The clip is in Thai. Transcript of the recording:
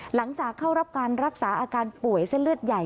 หลังจากเข้ารับการรักษาอาการป่วยเส้นเลือดใหญ่